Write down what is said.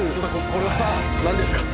これはなんですか？